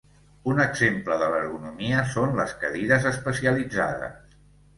Un exemple de l'ergonomia són les cadires especialitzades.